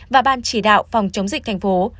và ban chỉ đạo phòng chống dịch thành phố